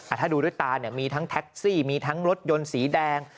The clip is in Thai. ถ้าดูด้วยตาเนี่ยมีทั้งแท็กซี่มีทั้งรถยนต์สีแดง